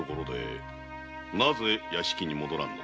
なぜ屋敷に戻らんのだ？